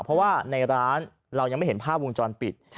เพราะว่าในร้านเรายังไม่เห็นภาพวงจรปิด